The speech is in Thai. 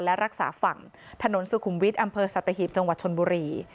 และรักษาฝั่งถนนสุขุมวิทย์อำเภอสัตหีบจังหวัดชนบุรี